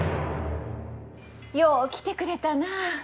よう来てくれたなあ。